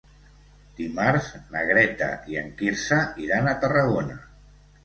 Dimarts na Greta i en Quirze iran a Tarragona.